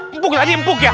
empuk lagi empuk ya